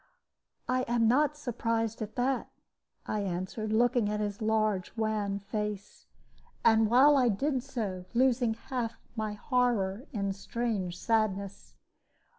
"I am not surprised at that," I answered, looking at his large wan face, and while I did so, losing half my horror in strange sadness.